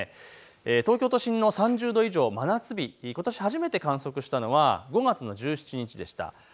東京都心の３０度以上、真夏日、ことし初めて観測したのは５月の１７日でした。